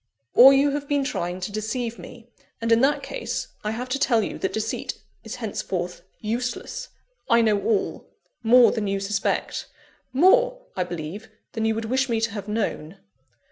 "Or you have been trying to deceive me; and in that case, I have to tell you that deceit is henceforth useless. I know all more than you suspect: more, I believe, than you would wish me to have known."